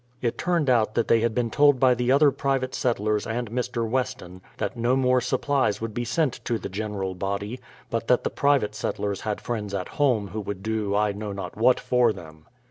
It turned out that they had been told by the other private settlers and Mr. Weston that no more supplies w'ould be sent to the general body, but that the private settlers had friends at home who would do I know not what for them.